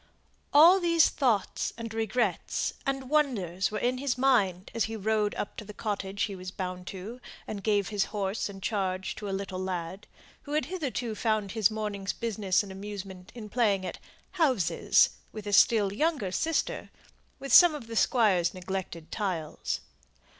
All these thoughts, regrets, and wonders were in his mind as he rode up to the cottage he was bound to, and gave his horse in charge to a little lad, who had hitherto found his morning's business and amusement in playing at "houses" with a still younger sister, with some of the Squire's neglected tiles.